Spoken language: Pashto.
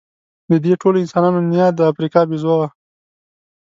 د دې ټولو انسانانو نیا د افریقا بیزو وه.